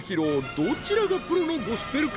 どちらがプロのゴスペルか？